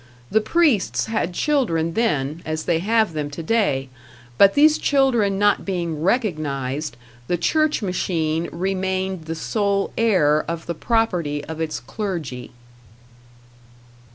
The priests had children then, as they have them today; but these children not being recognized, the church machine remained the sole heir of the property of its clergy.